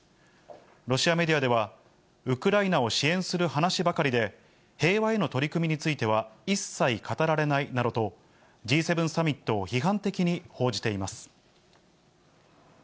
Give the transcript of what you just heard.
ロシアメディアでは、ウクライナを支援する話ばかりで、平和への取り組みについては一切語られないなどと、Ｇ７サミットを批判的に報じています。